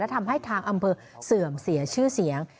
ทำให้ทางอำเภอเสื่อมเสียชื่อเสียง